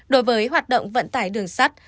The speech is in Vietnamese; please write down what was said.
đối với hoạt động vận tải đường sắt